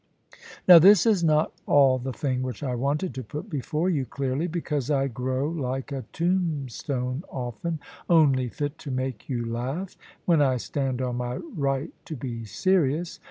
Now this is not all the thing which I wanted to put before you clearly; because I grow like a tombstone often, only fit to make you laugh, when I stand on my right to be serious.